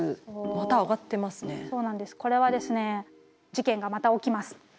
これはですね事件がまた起きます。